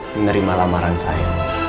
menerima lamaran saya